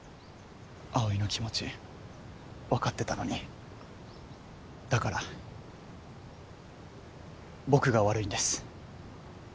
葵の気持ち分かってたのにだから僕が悪いんです